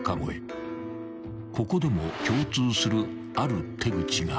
［ここでも共通するある手口が］